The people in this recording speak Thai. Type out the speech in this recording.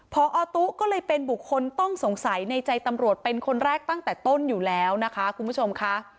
พอตุ๊ก็เลยเป็นบุคคลต้องสงสัยในใจตำรวจเป็นคนแรกตั้งแต่ต้นอยู่แล้วนะคะคุณผู้ชมค่ะ